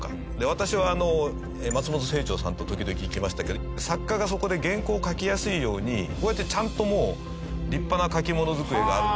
私は松本清張さんと時々行きましたけど作家がそこで原稿を書きやすいようにこうやってちゃんと立派な書きもの机があったりですね。